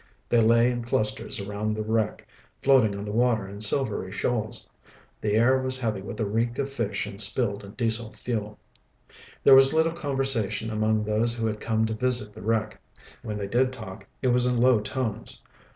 They lay in clusters around the wreck, floating on the water in silvery shoals. The air was heavy with the reek of fish and spilled Diesel fuel. There was little conversation among those who had come to visit the wreck. When they did talk, it was in low tones.